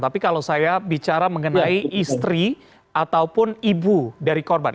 tapi kalau saya bicara mengenai istri ataupun ibu dari korban